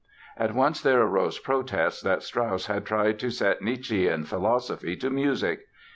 At once there arose protests that Strauss had tried to set Nietzschean philosophy to music!